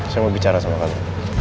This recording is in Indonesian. saya mau bicara sama kami